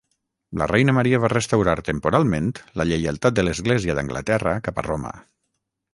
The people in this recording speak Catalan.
La Reina Maria va restaurar temporalment la lleialtat de l'església d'Anglaterra cap a Roma.